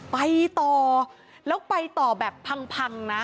ไปต่อแล้วไปต่อแบบพังนะ